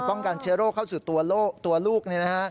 ป้องกันเชื้อโรคเข้าสู่ตัวลูก